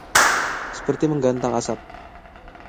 Seperti menggantang asap